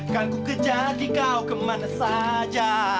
kan ku kejati engkau kemana saja